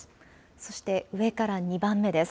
そして上から２番目です。